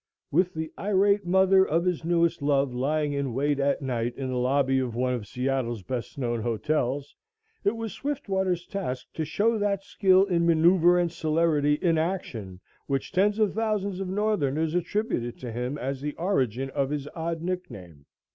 With the irate mother of his newest love lying in wait at night in the lobby of one of Seattle's best known hotels, it was Swiftwater's task to show that skill in maneuver and celerity in action which tens of thousands of Northerners attributed to him as the origin of his odd nickname.